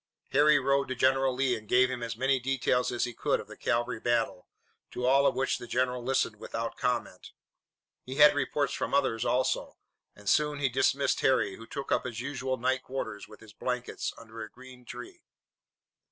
Harry rode to General Lee and gave him as many details as he could of the cavalry battle, to all of which the general listened without comment. He had reports from others also, and soon he dismissed Harry, who took up his usual night quarters with his blankets under a green tree.